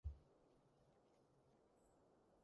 執輸行頭,慘過敗家